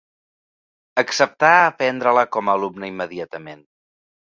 Acceptà a prendre-la com a alumna immediatament.